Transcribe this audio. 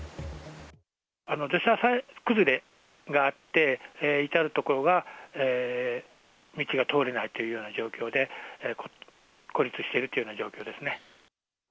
土砂崩れがあって、至る所が、道が通れないというような状況で、孤立しているというような状況ですね。